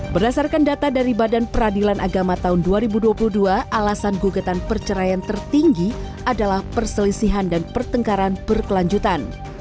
berdasarkan data dari badan peradilan agama tahun dua ribu dua puluh dua alasan gugatan perceraian tertinggi adalah perselisihan dan pertengkaran berkelanjutan